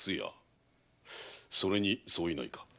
それに相違ないな？